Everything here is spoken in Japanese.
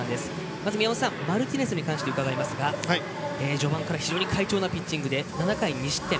まずマルティネスに関して伺いますが序盤から快調なピッチングで７回無失点。